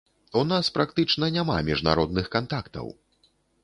У нас практычна няма міжнародных кантактаў!